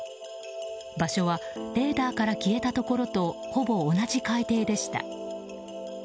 場所はレーダーから消えたところとほぼ同じ海底でした。